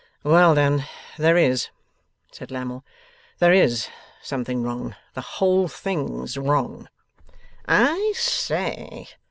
'Well then; there is,' said Lammle; 'there IS something wrong; the whole thing's wrong.' 'I say!